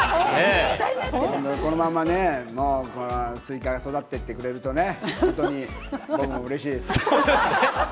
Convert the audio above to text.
このままね、このスイカが育ってってくれるとね、本当に僕もうれしいです。